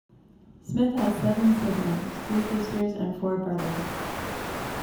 Smith has seven siblings; three sisters and four brothers.